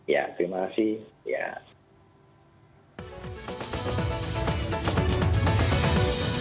ya terima kasih